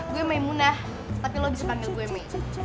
gue mai munah tapi lo bisa panggil gue mei